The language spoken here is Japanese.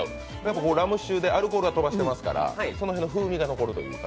ラム酒でアルコールは飛ばしてますからその辺の風味は残ると。